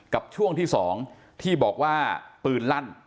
กับช่วงที่๒ที่บอกว่าปืนลั่น